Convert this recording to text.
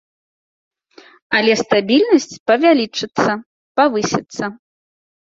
Але стабільнасць павялічыцца, павысіцца.